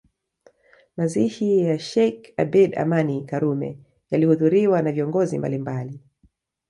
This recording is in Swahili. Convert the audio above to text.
Mazishi ya Sheikh Abeid Amani Karume yalihudhuriwa na viongozi mbalimbali